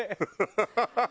ハハハハ！